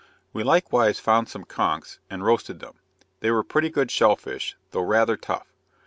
We likewise found some konchs and roasted them; they were pretty good shell fish, though rather tough.